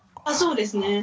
あそうですね。